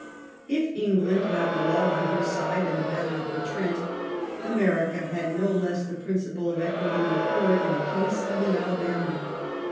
If England had the law on her side in the matter of the Trent^ America had no less the principle of equity with her in the case of the Alabama.